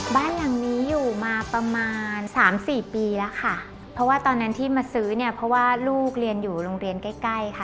บ้านหลังนี้อยู่มาประมาณสามสี่ปีแล้วค่ะเพราะว่าตอนนั้นที่มาซื้อเนี่ยเพราะว่าลูกเรียนอยู่โรงเรียนใกล้ใกล้ค่ะ